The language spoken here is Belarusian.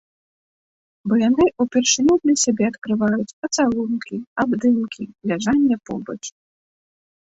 Бо яны ўпершыню для сябе адкрываюць пацалункі, абдымкі, ляжанне побач.